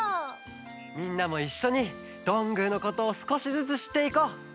みんなもいっしょにどんぐーのことをすこしずつしっていこう！